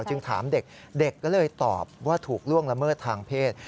จึงถามเด็กเด็กก็เลยตอบว่าถูกล่วงละเมิดทางเพศ